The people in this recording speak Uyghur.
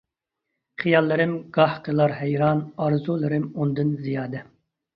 خىياللىرىم گاھ قىلار ھەيران، ئارزۇلىرىم ئۇندىن زىيادە.